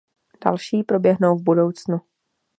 Další proběhnou v budoucnu.